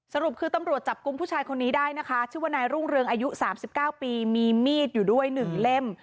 สรุปคือตำรวจจับกลุ่มผู้ชายคนนี้ได้นะคะชื่อว่านายรุ่งเรืองอายุ๓๙ปีมีมีดอยู่ด้วย๑เล่ม